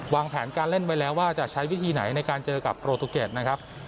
วางแผนการเล่นไว้แล้วว่าจะใช้วิธีไหนในการเจอกับโปรตูเกตนะครับ